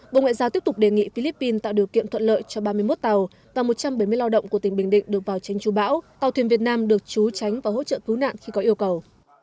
bộ ngoại giao tiếp tục đề nghị philippines tạo điều kiện thuận lợi cho ba mươi một tàu và một trăm bảy mươi lao động của tỉnh bình định được vào tranh chú bão tàu thuyền việt nam được chú tránh và hỗ trợ cứu nạn khi có yêu cầu